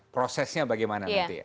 prosesnya bagaimana nanti